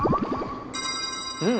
うん！